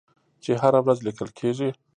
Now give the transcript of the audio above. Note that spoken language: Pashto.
چې هره ورځ لیکل کیږي.